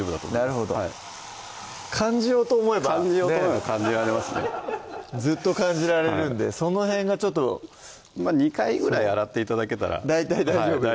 なるほど感じようと思えば感じようと思えば感じられますねずっと感じられるんでその辺がちょっと２回ぐらい洗って頂けたら大体大丈夫ですか？